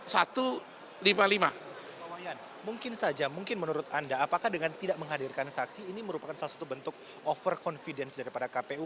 pak wayan mungkin saja mungkin menurut anda apakah dengan tidak menghadirkan saksi ini merupakan salah satu bentuk over confidence daripada kpu